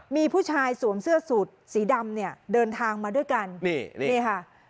มีผู้ชายสวมเสื้อสูตรสีดำเนี่ยเดินทางมาด้วยกันนี่นี่ค่ะ